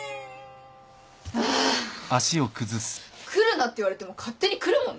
ああ来るなって言われても勝手に来るもんね。